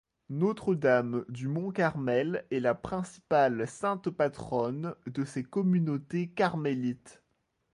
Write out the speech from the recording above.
Notre-Dame du Mont-Carmel est la principale sainte patronne de ces communautés carmélites.